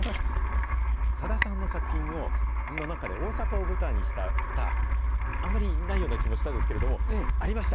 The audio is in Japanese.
さださんの作品の中で、大阪を舞台にした歌、あんまりないような気もしたんですけれども、ありました。